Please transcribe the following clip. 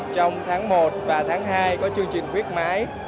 trong tháng một và tháng hai có chương trình khuyến mại